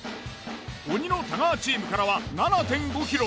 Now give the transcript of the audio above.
鬼の太川チームからは７．５ｋｍ。